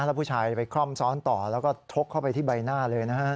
แล้วผู้ชายไปคล่อมซ้อนต่อแล้วก็ชกเข้าไปที่ใบหน้าเลยนะฮะ